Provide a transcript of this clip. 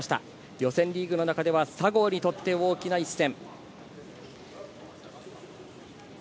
予選リーグの中では佐合にとって大きな一戦。